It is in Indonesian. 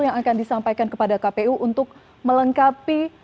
yang akan disampaikan kepada kpu untuk melengkapi